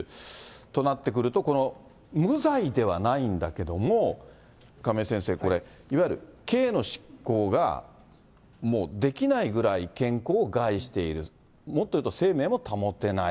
となってくると、この無罪ではないんだけども、亀井先生、いわゆる刑の執行がもうできないぐらい健康を害している、もっと言うと生命も保てない。